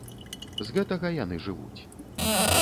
З гэтага яны жывуць.